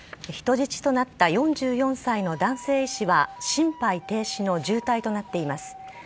人質となった４４歳の男性医師は心肺停止の重体となっています。